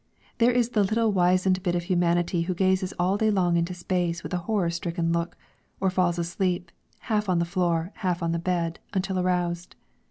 There is the little wizened bit of humanity who gazes all day long into space with a horror stricken look, or falls asleep, half on the floor, half on the bed, until aroused.